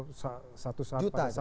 dan kalau satu saat pada saat